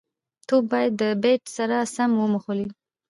توپ باید د بېټ سره سم وموښلي.